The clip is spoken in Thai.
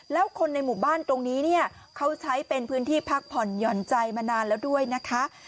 แล้วคนในหมู่บ้านตรงนี้เนี่ยเขาใช้เป็นพื้นที่พักผ่อนหย่อนใจมานานแล้วด้วยนะคะ